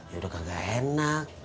yaudah gak enak